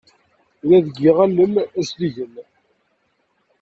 Yella deg yiɣallen usligen?